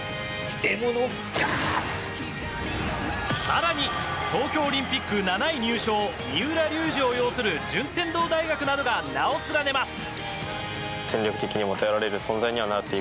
更に東京オリンピック７位入賞三浦龍司を擁する順天堂大学などが名を連ねます。